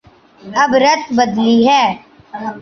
اب رت بدلی ہے۔